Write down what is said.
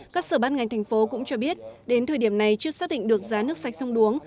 các sở bán ngành thành phố cũng cho biết đến thời điểm này chưa xác định được giá nước sạch sông đuống